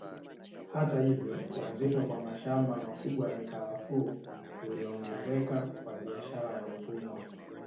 Hata hivyo kuanzishwa kwa mashamba makubwa ya mikarafuu kuliongezeka kwa biashara ya utumwa